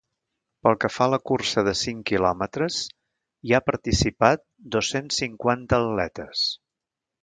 Pel que fa a la cursa de cinc quilòmetres, hi ha participat dos-cents cinquanta atletes.